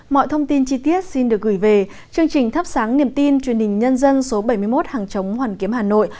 mọi thông tin chi tiết xin được gửi về chương trình thắp sáng niềm tin truyền hình nhân dân số bảy mươi một hàng chống hoàn kiếm hà nội